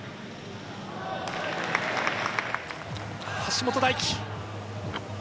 橋本大輝。